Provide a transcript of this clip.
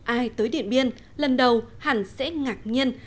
ai tới điện biên lần đầu hẳn sẽ ngạc nhiên